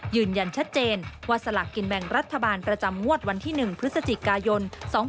ยืนยันชัดเจนว่าสลากกินแบ่งรัฐบาลประจำงวดวันที่๑พฤศจิกายน๒๕๖๒